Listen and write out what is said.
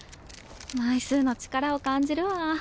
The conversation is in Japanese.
枚数の力を感じるわ。